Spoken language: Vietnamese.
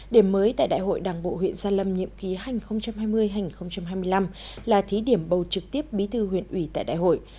điểm mới tại đại hội đảng bộ huyện gia lâm nhiệm ký hai nghìn hai mươi hai nghìn hai mươi năm là thí điểm bầu trực tiếp bí thư huyện ủy tại đại hội